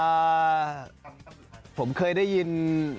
อ่าผมเคยได้ยิน